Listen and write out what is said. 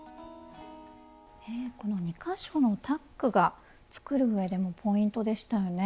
この２か所のタックが作る上でもポイントでしたよね。